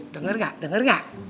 dengar gak dengar gak